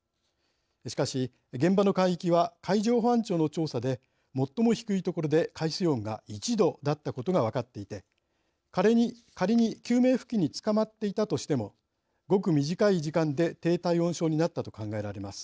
しかし現場の海域は海上保安庁の調査で最も低い所で海水温が１度だったことが分かっていて仮に救命浮器につかまっていたとしてもごく短い時間で低体温症になったと考えられます。